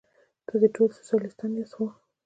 تاسې ټول سوسیالیستان یاست؟ هو.